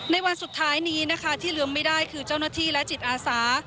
ในวันสุดท้ายนี้นะคะที่ลืมไม่ได้คือเจ้าหน้าที่และจิตอาสา